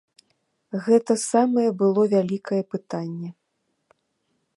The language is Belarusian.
Гэта самае было вялікае пытанне.